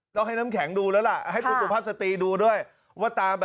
ต้องให้น้ำแข็งดูแล้วล่ะ